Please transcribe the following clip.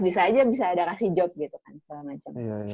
bisa aja bisa ada kasih job gitu kan